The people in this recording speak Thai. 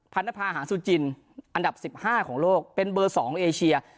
พันธภาหาสุจินอันดับ๑๕ของโลกเป็นเบอร์๒เอเชีย